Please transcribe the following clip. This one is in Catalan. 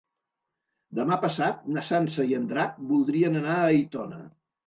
Demà passat na Sança i en Drac voldrien anar a Aitona.